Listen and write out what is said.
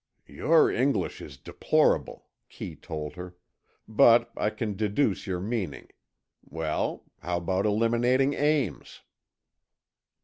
"Your English is deplorable," Kee told her, "but I can deduce your meaning. Well, how about eliminating Ames?"